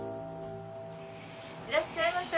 いらっしゃいませ。